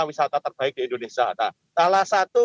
wisata terbaik di indonesia nah salah satu